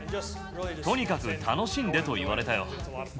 とにかく楽しんでと言われたよ。